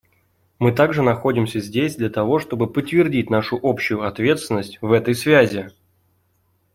Мы также находимся здесь для того, чтобы подтвердить нашу общую ответственность в этой связи.